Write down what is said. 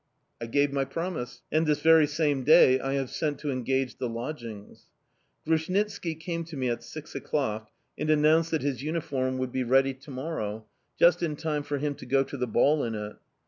I gave my promise, and this very same day I have sent to engage the lodgings. Grushnitski came to me at six o'clock and announced that his uniform would be ready to morrow, just in time for him to go to the ball in it.